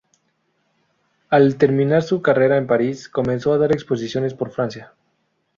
Al terminar su carrera en París, comenzó a dar exposiciones por Francia.